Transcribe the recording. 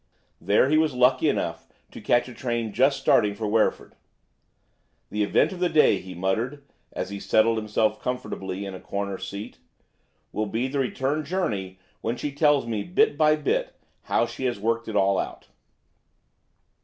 There he was lucky enough to catch a train just starting for Wreford. "The event of the day," he muttered, as he settled himself comfortably in a corner seat, "will be the return journey when she tells me, bit by bit, how she has worked it all out."